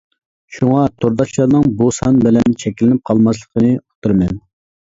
شۇڭا تورداشلارنىڭ بۇ سان بىلەن چەكلىنىپ قالماسلىقىنى ئۇقتۇرىمەن.